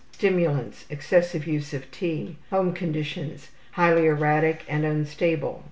Stimulants: Excessive use of tea. Home conditions: Highly erratic and unstable.